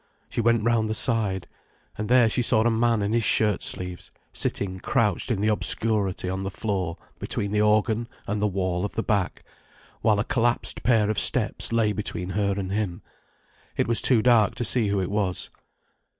She went round the side—and there she saw a man in his shirt sleeves sitting crouched in the obscurity on the floor between the organ and the wall of the back, while a collapsed pair of steps lay between her and him. It was too dark to see who it was.